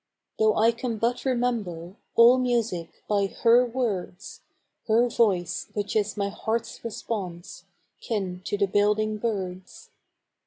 Though I can but remember All music by her words, Her voice, which is my heart's response, Kin to the building bird's.